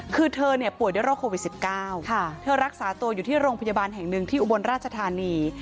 คือเธอเนี่ยป่วยด้วยโรคโควิด๑๙เธอรักษาตัวอยู่ที่โรงพยาบาลแห่งหนึ่งที่อุบลราชธานี